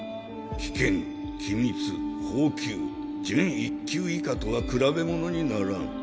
危険機密俸給準１級以下とは比べ物にならん。